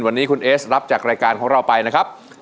วันนี้คุณเอสรับจากรายการของเราไปนะครับ